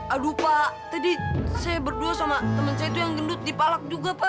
aduh pak tadi saya berdua sama temen saya itu yang gendut dipalak juga pak